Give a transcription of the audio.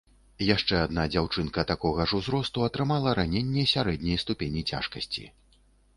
Яшчэ адна дзяўчынка такога ж узросту атрымала раненне сярэдняй ступені цяжкасці.